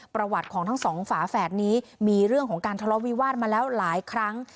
ประวัติของทั้งสองฝาแฝดนี้มีเรื่องของการทะเลาะวิวาสมาแล้วหลายครั้ง